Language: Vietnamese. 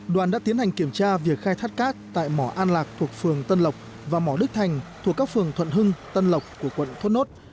đoàn đã tiến hành kiểm tra việc khai thác cát tại mỏ an lạc thuộc phường tân lộc và mỏ đức thành thuộc các phường thuận hưng tân lộc của quận thốt nốt